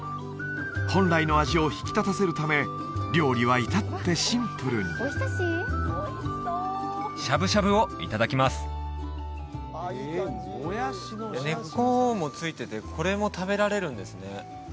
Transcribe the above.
本来の味を引き立たせるため料理は至ってシンプルにしゃぶしゃぶをいただきます根っこもついててこれも食べられるんですね